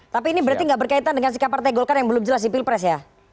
tapi ini berarti tidak berkaitan dengan sikap partai golkar yang belum jelas di pilpres ya